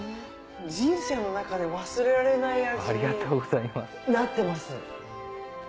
人生の中で忘れられない味になってます。